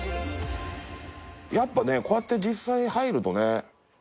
やっぱねこうやって実際入るとね。